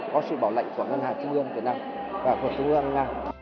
để bảo lệnh của ngân hàng chứng ương việt nam và của chứng ương nga